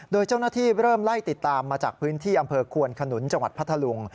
โดยเจ้าหน้าที่เริ่มไล่ติดตามมาจากพื้นที่อำเภอควนขนุนจังหวัดพัทธลุง